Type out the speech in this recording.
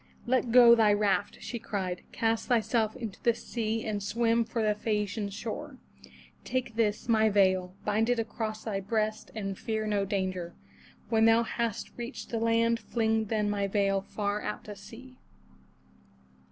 "Let go thy raft," she cried. "Cast thyself into the sea and swim for the Phae a'ci an shore. Take this, my veil; bind it across thy breast and fear no danger. When thou hast reached the land, fling then my veil far out to sea."